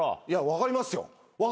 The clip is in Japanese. いや分かりますよ。